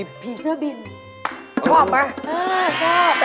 ผีเสื้อบินชอบไหมชอบ